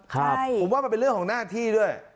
ผมว่ามันเป็นเรื่องของหน้าที่ด้วย